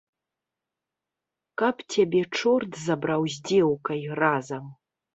Каб цябе чорт забраў з дзеўкай разам.